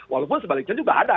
walaupun sebaliknya juga ada